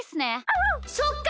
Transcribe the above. そっか。